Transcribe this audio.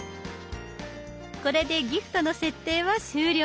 これでギフトの設定は終了。